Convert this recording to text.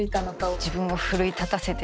自分を奮い立たせてというか。